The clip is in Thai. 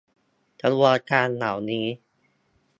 กระบวนการเหล่านี้